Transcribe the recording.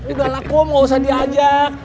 udah laku gak usah diajak